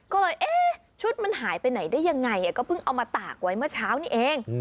ก็เลยเอ๊ะชุดมันหายไปไหนได้ยังไงก็เพิ่งเอามาตากไว้เมื่อเช้านี้เอง